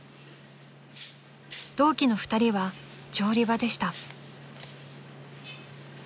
［同期の２人は調理場でした］